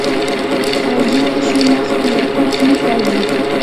ayllua shumaq kuyakuqmi kayan.